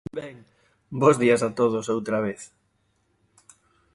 Ben, bos días a todos outra vez.